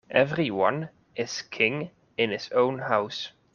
Every one is king in his own house.